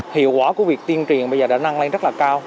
hiệu quả của việc tuyên truyền bây giờ đã năng lên rất là cao